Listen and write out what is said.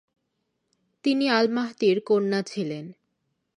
তিনি আল-মাহদীর কন্যা ছিলেন।